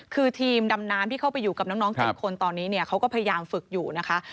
คือทีมดำน้ำที่เข้าไปอยู่กับน้อง๗คนตอนนี้เนี่ยเขาก็พยายามฝึกอยู่นะคะ